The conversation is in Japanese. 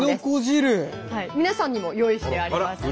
皆さんにも用意してあります。